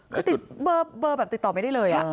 คือติดเบอร์แบบติดต่อไม่ได้เลย